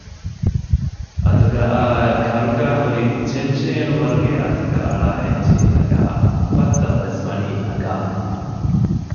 އަތުގައާއި ކަރުގައިހުރި ޗެންޗޭނުވަރުގެ އަތުގަ އަޅާ އެއްޗެހިތަކާ ފަށްތައްވެސް ވަނީ ނަގާފަ